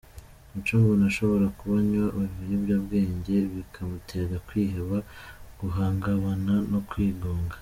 Mico mbona ashobora kuba anywa ibiyobyabwenge bikamutera kwiheba, guhungabana no kwigunga.